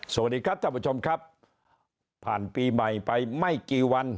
สวัสดีครับท่านผู้ชมครับผ่านปีใหม่ไปไม่กี่วัน